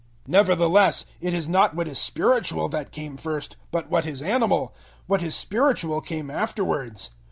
015:046 Nevertheless, it is not what is spiritual that came first, but what is animal; what is spiritual came afterwards.